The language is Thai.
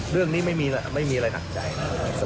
เรื่องนี้ไม่มีอะไรหนักใจนะครับ